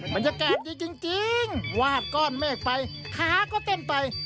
บรรยากาศดีจริงวาดก้อนเมฆไปหาก็เต้นไป